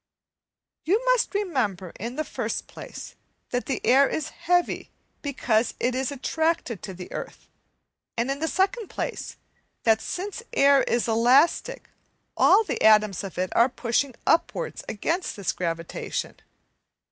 you must remember, in the first place, that the air is heavy because it is attracted to the earth, and in the second place, that since air is elastic all the atoms of it are pushing upwards against this gravitation.